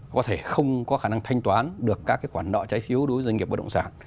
có thể không có khả năng thanh toán được các cái quản nọ trái phiếu đối với doanh nghiệp bất động sản